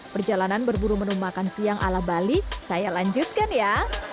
perjalanan berburu menu makan siang ala bali saya lanjutkan ya